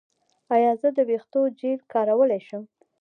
ایا زه د ویښتو جیل کارولی شم؟